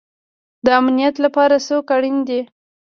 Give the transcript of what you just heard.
د امنیت لپاره څوک اړین دی؟